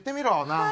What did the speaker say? なあ？